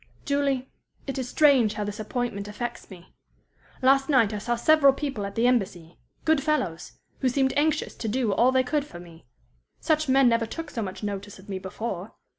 "Julie, it is strange how this appointment affects me. Last night I saw several people at the Embassy good fellows who seemed anxious to do all they could for me. Such men never took so much notice of me before.